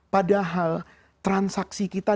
padahal transaksi kita